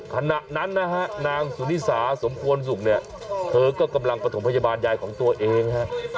ขณะนั้นนะฮะนางสุนิสาสมควรสุขเนี่ยเธอก็กำลังประถมพยาบาลยายของตัวเองฮะ